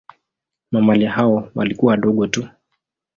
Mamalia hao walikuwa wadogo tu.